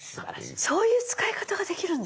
そういう使い方ができるんだ！